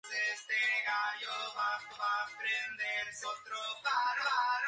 Presentan tres estigmas, truncados a elongados.